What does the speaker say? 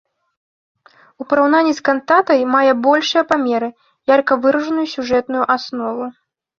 У параўнанні з кантатай мае большыя памеры, ярка выражаную сюжэтную аснову.